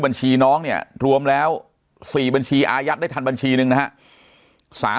บัญชีน้องเนี่ยรวมแล้ว๔บัญชีอายุครั้งบัญชีนะฮะ